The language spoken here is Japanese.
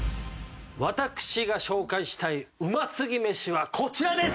私が紹介したい美味すぎメシはこちらです！